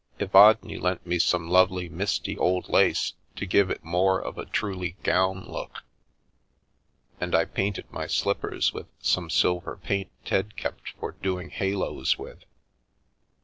Evadne lent me some lovely misty old lace to give it more of a " truly gown " look, and I painted my slippers with some silver paint Ted kept for " doing haloes " with.